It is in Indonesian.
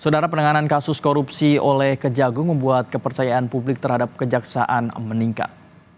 saudara penanganan kasus korupsi oleh kejagung membuat kepercayaan publik terhadap kejaksaan meningkat